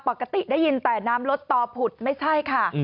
ปกติได้ยินแต่น้ำลดต่อผุดไม่ใช่ค่ะ